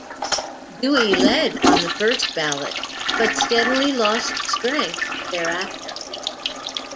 Dewey led on the first ballot, but steadily lost strength thereafter.